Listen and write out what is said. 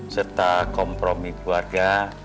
serta kompromi keluarga